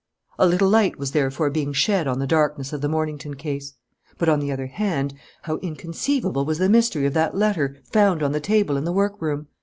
A little light was therefore being shed on the darkness of the Mornington case. But, on the other hand, how inconceivable was the mystery of that letter found on the table in the workroom!